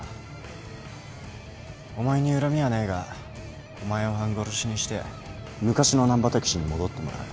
お前に恨みはねえがお前を半殺しにして昔の難破猛に戻ってもらう。